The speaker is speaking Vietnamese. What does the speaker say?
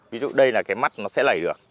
ví dụ đây là cái mắt nó sẽ lẩy được